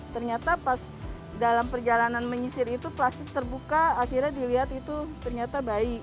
ternyata pas dalam perjalanan menyisir itu plastik terbuka akhirnya dilihat itu ternyata baik